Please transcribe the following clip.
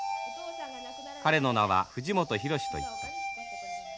彼の名は藤本弘といった。